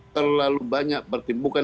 terlalu banyak pertimbangan